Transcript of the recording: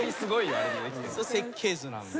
設計図なんだよ。